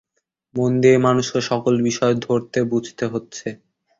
মন দিয়েই মানুষকে সকল বিষয় ধরতে বুঝতে হচ্ছে।